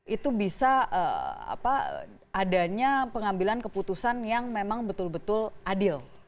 itu bisa adanya pengambilan keputusan yang memang betul betul adil